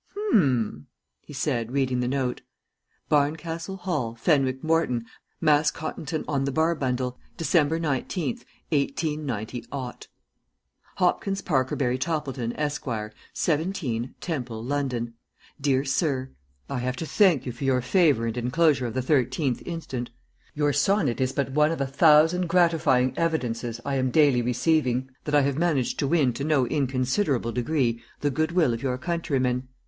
H'm!" he said, reading the note. "'Barncastle Hall, Fenwick Morton, Mascottonton on the Barbundle, December 19th, 189 . Hopkins Parkerberry Toppleton, Esquire, 17, Temple, London. Dear Sir, I have to thank you for your favour and enclosure of the 13th inst. Your sonnet is but one of a thousand gratifying evidences I am daily receiving that I have managed to win to no inconsiderable degree the good will of your countrymen.